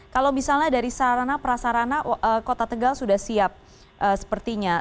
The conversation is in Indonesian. kalau misalnya dari sarana prasarana kota tegal sudah siap sepertinya